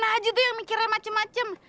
mana aja tuh yang mikirin macem macem